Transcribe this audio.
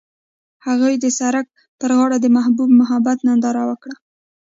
هغوی د سړک پر غاړه د محبوب محبت ننداره وکړه.